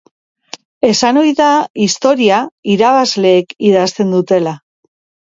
Esan ohi da historia irabazleek idazten dutela.